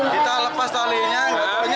kita lepas talinya